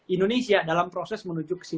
indonesia dalam proses menuju ke